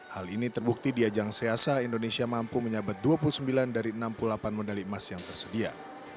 hal ini terbukti di ajang seasa indonesia mampu menyabat dua puluh sembilan dari enam puluh delapan medali emas yang tersedia